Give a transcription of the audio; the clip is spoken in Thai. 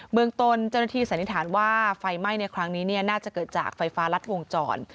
เมืองตนเจ้าหน้าที่สันนิษฐานว่าไฟไหม้ในครั้งนี้น่าจะเกิดจากไฟฟ้ารัดวงจร